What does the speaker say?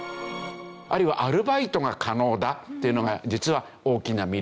あるいはアルバイトが可能だというのが実は大きな魅力。